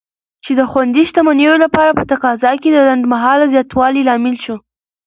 چې د خوندي شتمنیو لپاره په تقاضا کې د لنډمهاله زیاتوالي لامل شو.